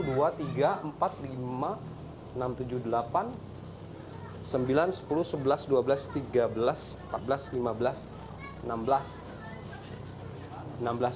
banyak kursi di sini